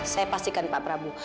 saya pastikan pak prabu